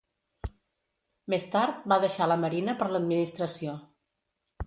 Més tard, va deixar la marina per l'administració.